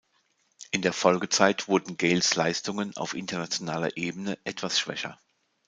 In der Folgezeit wurden Gales Leistungen auf internationaler Ebene etwas schwächer.